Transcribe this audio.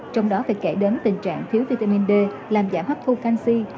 trong đó phải kể đến tình trạng thiếu vitamin d làm giảm hấp thu canxi